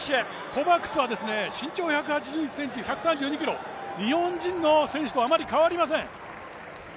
コバクスは身長１８１ｃｍ、日本人の選手とあまり変わりません。